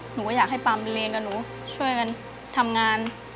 หนูก็อยากให้ปามเรียนกับหนูช่วยกันทำงาน